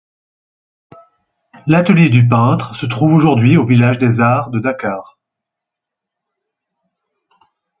L'atelier du peintre se trouve aujourd'hui au Village des Arts de Dakar.